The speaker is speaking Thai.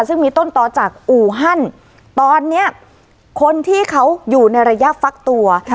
ซึ่งมีต้นต่อจากอู่ฮั่นตอนนี้คนที่เขาอยู่ในระยะฟักตัว